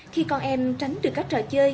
khi con em tránh được các trò chơi